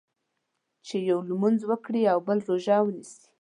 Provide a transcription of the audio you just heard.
چې یو لمونځ وکړي او بل روژه ونیسي.